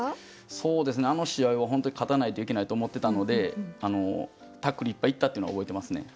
そうですねあの試合は本当に勝たないといけないと思ってたのでタックルいっぱいいったっていうのは覚えてますね。